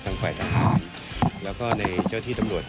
ฝ่ายทหารแล้วก็ในเจ้าที่ตำรวจ